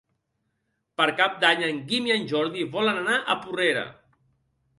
Per Cap d'Any en Guim i en Jordi volen anar a Porrera.